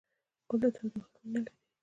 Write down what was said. ګل د تودوخې مینه لري.